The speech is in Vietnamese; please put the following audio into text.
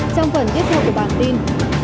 trong phần tiếp theo của bản tin